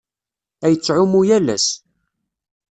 Ad yettɛumu yal ass.